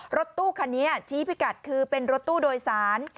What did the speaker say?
รถตู้คันนี้ชี้พิกัดคือเป็นรถตู้โดยสาร